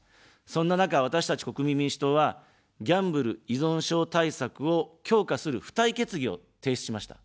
そんな中、私たち国民民主党は、ギャンブル依存症対策を強化する付帯決議を提出しました。